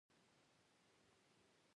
الوتکه د دوستیو دروازې پرانیزي.